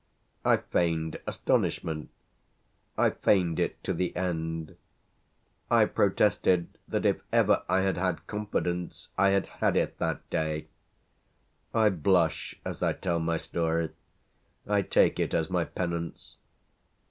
I feigned astonishment I feigned it to the end; I protested that if ever I had had confidence I had had it that day. I blush as I tell my story I take it as my penance.